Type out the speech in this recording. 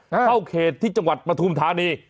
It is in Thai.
เข้าเขตที่จังหวัดปฐุมธานี